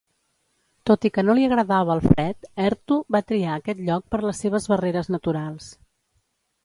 Tot i que no li agradava el fred, Errtu va triar aquest lloc per les seves barreres naturals.